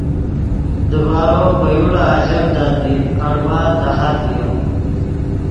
دیبارو پے یوڑا آژڤدا دیر اڑوان دہات ڤیو